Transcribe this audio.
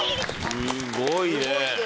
すごいね。